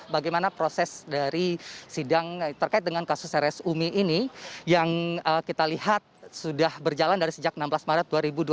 bagaimana proses dari sidang terkait dengan kasus rsumi ini yang kita lihat sudah berjalan dari sejak enam belas maret dua ribu dua puluh